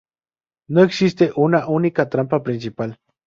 No existe una única trama principal.